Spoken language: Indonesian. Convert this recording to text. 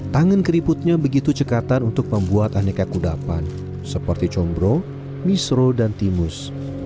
tangan keriputnya begitu cekatan untuk membuat aneka kudapan seperti combro misro dan timus